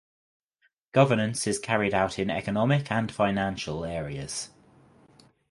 Governance is carried out in economic and financial areas.